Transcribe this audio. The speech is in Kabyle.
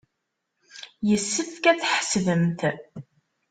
Yessefk ad t-tḥebsemt.